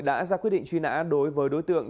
đã ra quyết định truy nã đối với đối tượng